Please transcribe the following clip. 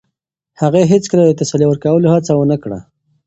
هغې هیڅکله د تسلي ورکولو هڅه ونه کړه.